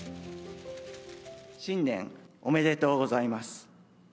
新年おめでとうございます。